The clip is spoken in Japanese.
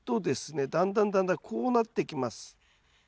だんだんだんだんこうなっていきます。